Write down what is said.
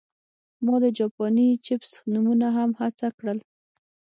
ما د جاپاني چپس نومونه هم هڅه کړل